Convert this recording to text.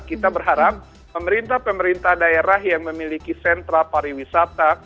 kita berharap pemerintah pemerintah daerah yang memiliki sentra pariwisata